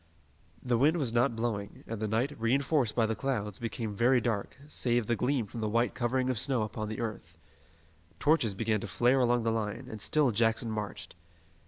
The wind was not blowing, and the night, reinforced by the clouds, became very dark, save the gleam from the white covering of snow upon the earth. Torches began to flare along the line, and still Jackson marched.